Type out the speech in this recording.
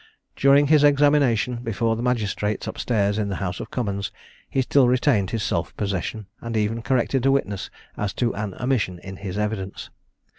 During his examination before the magistrates up stairs in the House of Commons, he still retained his self possession, and even corrected a witness as to an omission in his evidence.